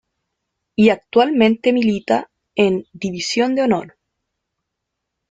Y actualmente milita en División de Honor.